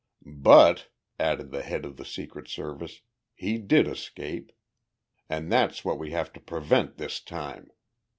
"But," added the head of the Secret Service, "he did escape. And that's what we have to prevent this time.